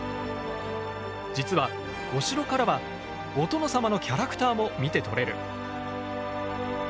実はお城からはお殿様のキャラクターも見て取れる！